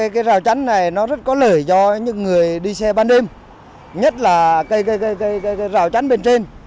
cây rào chắn này nó rất có lợi cho những người đi xe ban đêm nhất là cây rào chắn bên trên